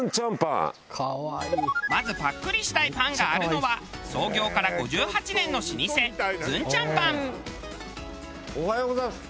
まずぱっくりしたいパンがあるのは創業から５８年の老舗おはようございます。